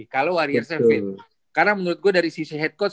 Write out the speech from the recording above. karena menurut gue dari sisi head coach